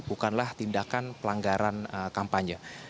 bukanlah tindakan pelanggaran kampanye